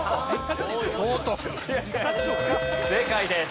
正解です。